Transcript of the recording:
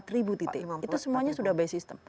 empat ribu titik itu semuanya sudah by system